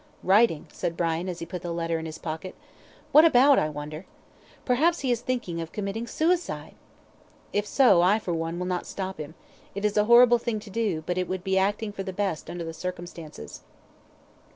"Writing," said Brian, as he put the letter in his pocket, "what about, I wonder? Perhaps he is thinking of committing suicide! if so, I for one will not stop him. It is a horrible thing to do, but it would be acting for the best under the circumstances."